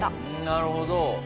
なるほど。